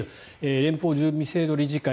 連邦準備制度理事会